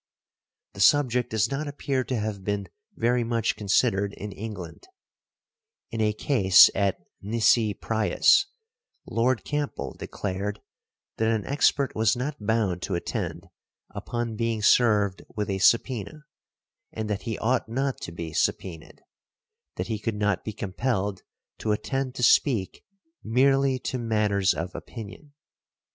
The subject does not appear to have been very much considered in England. In a case, at Nisi Prius, Lord |28| Campbell declared that an expert was not bound to attend upon being served with a subpœna, and that he ought not to be subpœnaed; that he could not be compelled to attend to speak merely to matters of opinion .